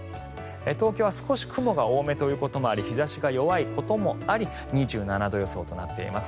東京は少し雲が多めということもあり日差しが弱いこともあり２７度予想となっています。